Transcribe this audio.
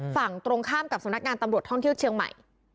ฝั่งตรงข้ามกับสำนักงานตำรวจท่องเที่ยวเชียงใหม่